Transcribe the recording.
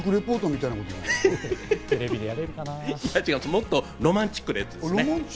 いやもっと違う、ロマンチックなやつですね。